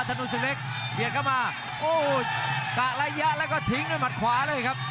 ถนนศึกเล็กเบียดเข้ามาโอ้กะระยะแล้วก็ทิ้งด้วยหมัดขวาเลยครับ